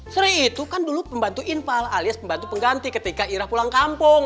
sri itu kan dulu pembantu inpal alias pembantu pengganti ketika irah pulang kampung